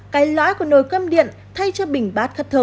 cái lõi của nồi cơm điện thay cho bình bát khất thở